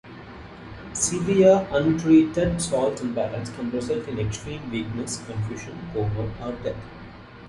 Severe, untreated salt imbalance can result in extreme weakness, confusion, coma, or death.